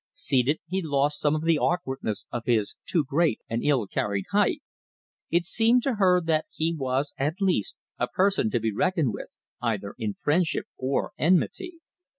Seated, he lost some of the awkwardness of his too great and ill carried height. It seemed to her that he was at least a person to be reckoned with, either in friendship or enmity.